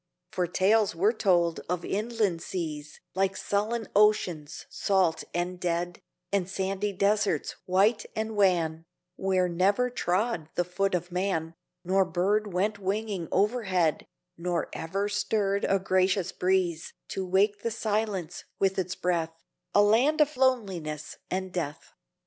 For tales were told of inland seas Like sullen oceans, salt and dead, And sandy deserts, white and wan, Where never trod the foot of man, Nor bird went winging overhead, Nor ever stirred a gracious breeze To wake the silence with its breath A land of loneliness and death.